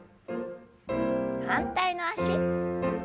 反対の脚。